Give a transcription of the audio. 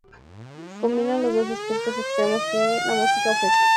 Combina los dos aspectos extremos que la música ofrece.